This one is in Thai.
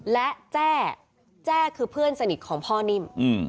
และแจ้แจ้คือเพื่อนสนิทของพ่อนิ่ม